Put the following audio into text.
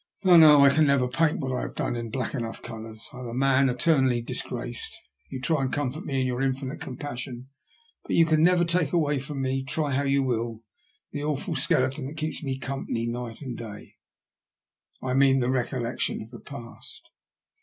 No, no ; I can never paint what I have done in black enough colours. I am a man eternally dis graced. Tou try to comfort me in your infinite compassion, but you can never take away from me, try how you will, the awful skeleton that keeps me company night and day — I mean the recollection of the past."